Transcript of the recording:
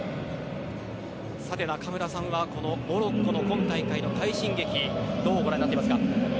中村さんはこのモロッコの今大会の快進撃どうご覧になっていますか。